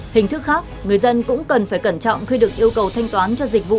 hình thức khác người dân cũng cần phải cẩn trọng khi được yêu cầu thanh toán cho dịch vụ